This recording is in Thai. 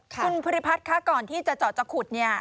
คุณภูริพัฒน์คะก่อนที่จะเจาะจะขุดเนี่ย